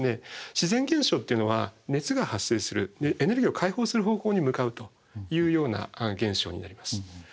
自然現象っていうのは熱が発生するエネルギーを解放する方向に向かうというような現象になります。